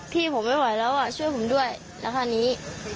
พี่ผมไม่ไหวแล้วช่วยผมด้วยแล้วคราวนี้